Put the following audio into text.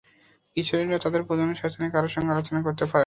কিশোরীরা তাদের প্রজনন স্বাস্থ্য নিয়ে কারও সঙ্গে আলোচনা করতে পারে না।